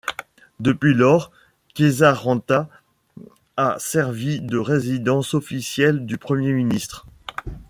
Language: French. Depuis lors, Kesäranta a servi de résidence officielle du Premier ministre.